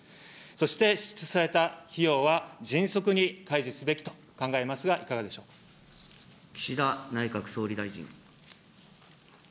そして、支出された費用は迅速にたいしょすべきと考えますが、いかがでし岸田内閣総理大臣。